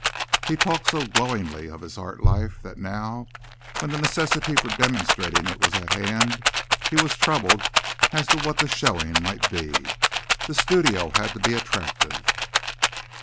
He had talked so glowingly of his art life that now, when the necessity for demonstrating it was at hand, he was troubled as to what the showing might be. The studio had to be attractive.